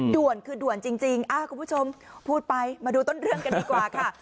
ด่วนคือด่วนจริงคุณผู้ชมพูดไปมาดูต้นเรื่องกันดีกว่าค่ะ